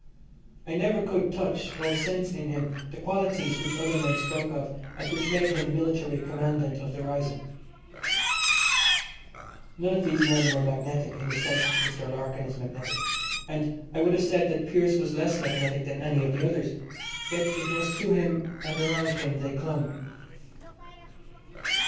I never could "touch" or sense in him the qualities which other men spoke of, and which made him military commandant of the rising. None of these men were magnetic in the sense that Mr. Larkin is magnetic, and I would have said that Pearse was less magnetic than any of the others. Yet it was to him and around him they clung.